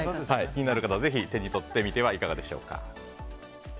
気になる方は、ぜひ手に取ってみてはいかがでしょうか。